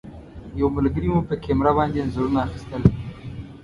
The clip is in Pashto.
یو ملګري مو په کامره باندې انځورونه اخیستل.